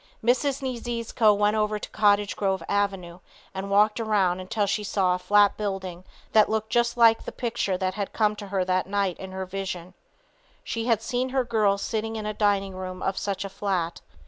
Mrs. Niedziezko went over to Cottage Grove avenue, and walked around until she saw a flat building that looked just like the picture that had come to her that night in her vision. She had seen her girl sitting in a dining room of such a flat.